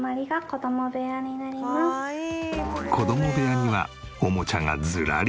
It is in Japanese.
子供部屋にはおもちゃがずらり。